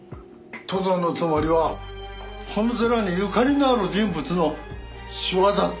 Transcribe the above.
とどのつまりはこの寺にゆかりのある人物の仕業って事かい？